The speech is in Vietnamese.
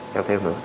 theo thêu nữa